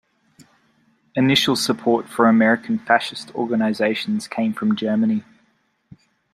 Initial support for American fascist organizations came from Germany.